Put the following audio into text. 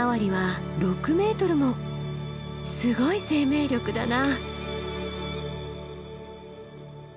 すごい生命力だな。